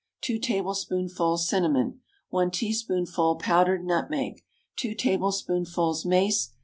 2 tablespoonfuls cinnamon. 1 teaspoonful powdered nutmeg. 2 tablespoonfuls mace.